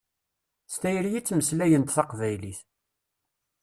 S tayri i ttmeslayent taqbaylit.